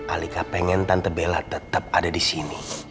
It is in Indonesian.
alika pengen tante bella tetap ada di sini